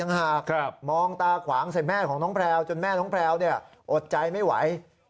นะฮะมาตากว่ามันของแพ้จนแม่น้องแพลวเนี่ยอดใจไม่ไหวเข้า